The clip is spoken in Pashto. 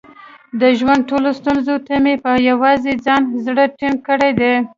د ژوند ټولو ستونزو ته مې په یووازې ځان زړه ټینګ کړی دی.